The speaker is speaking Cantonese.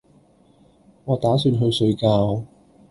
我打算去睡覺